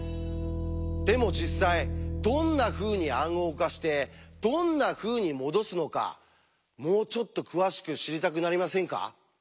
でも実際どんなふうに暗号化してどんなふうにもどすのかもうちょっと詳しく知りたくなりませんか？